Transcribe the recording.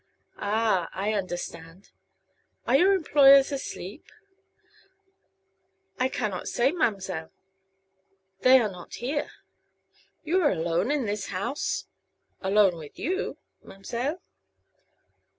"Ah, I understand. Are your employers asleep?" "I cannot say, ma'm'seile. They are not here." "You are alone in this house?" "Alone with you, ma'm'seile."